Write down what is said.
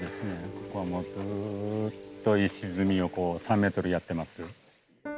ここはもうずっと石積みを３ｍやってます。